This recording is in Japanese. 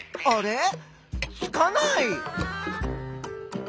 あれ？